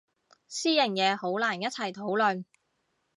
私人嘢好難一齊討論